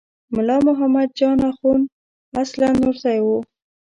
ملا محمد جان اخوند اصلاً نورزی و.